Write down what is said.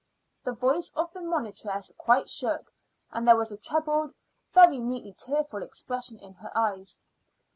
The voice of the monitress quite shook, and there was a troubled, very nearly tearful expression in her eyes.